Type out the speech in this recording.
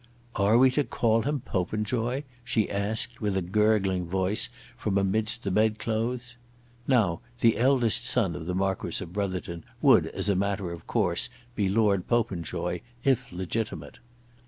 "Are we to call him Popenjoy?" she asked with a gurgling voice from amidst the bed clothes. Now the eldest son of the Marquis of Brotherton would, as a matter of course, be Lord Popenjoy, if legitimate.